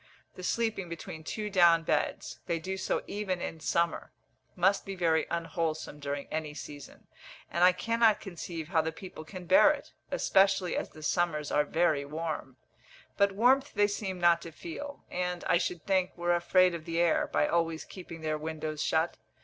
The sleeping between two down beds they do so even in summer must be very unwholesome during any season; and I cannot conceive how the people can bear it, especially as the summers are very warm. But warmth they seem not to feel; and, I should think, were afraid of the air, by always keeping their windows shut.